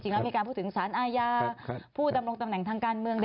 แล้วมีการพูดถึงสารอาญาผู้ดำรงตำแหน่งทางการเมือง